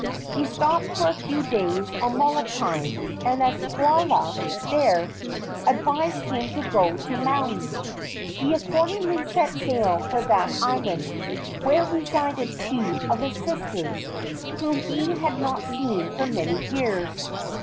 He stopped for a few days on Molokai, and a kaula there advised him to go to Maui. He accordingly set sail for that island, where resided two of his sisters, whom he had not seen for many years.